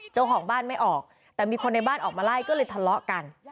เจ้าของบ้านไม่ออกแต่มีคนในบ้านออกมาไล่ก็เลยทะเลาะกัน